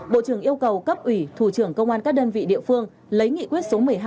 bộ trưởng yêu cầu cấp ủy thủ trưởng công an các đơn vị địa phương lấy nghị quyết số một mươi hai